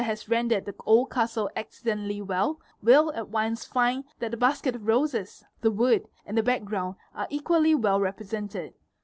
has rendered the old castle excellently well, will at once find that the basket of roses, the wood, and the background are equally well re presented.